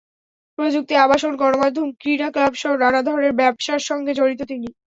প্রযুক্তি, আবাসন, গণমাধ্যম, ক্রীড়া ক্লাবসহ নানা ধরনের ব্যবসার সঙ্গে জড়িত তিনি।